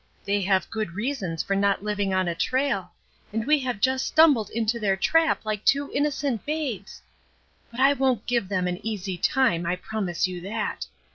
They have good reasons for not living on a trail, and we have just stum bled into their trap like two innocent babes. But I won't give them an easy time, I promise you that.